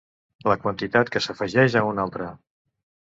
La quantitat que s'afegeix a una altra.